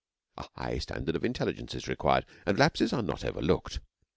A high standard of intelligence is required, and lapses are not overlooked.